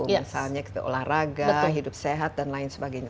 misalnya olahraga hidup sehat dan lain sebagainya